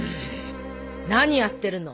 何やってるの？